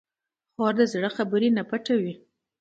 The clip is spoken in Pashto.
خور د زړه خبرې نه پټوي.